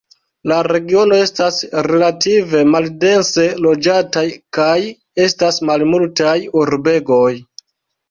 La regiono estas relative maldense loĝata, kaj estas malmultaj urbegoj.